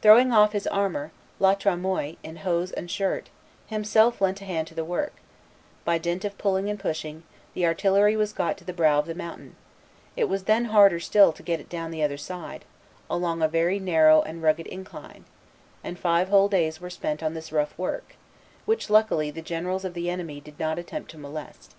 Throwing off his armor, La Tremoille, in hose and shirt, himself lent a hand to the work; by dint of pulling and pushing, the artillery was got to the brow of the mountain; it was then harder still to get it down the other side, along a very narrow and rugged incline; and five whole days were spent on this rough work, which luckily the generals of the enemy did not attempt to molest.